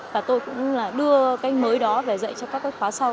và tôi cũng đưa cái mới đó về dạy cho các khóa sau